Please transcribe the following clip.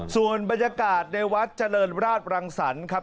ส่วนบรรยากาศในวัดเจริญราชรังสรรค์ครับ